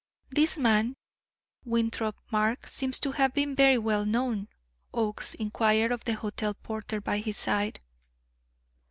"This man Winthrop Mark seems to have been very well known?" Oakes inquired of the hotel porter by his side.